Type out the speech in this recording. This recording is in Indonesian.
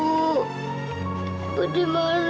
ibu dimana ibu